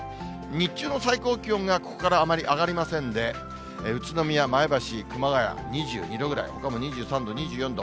日中の最高気温がここからあまり上がりませんで、宇都宮、前橋、熊谷２２度ぐらい、ほかも２３度、２４度。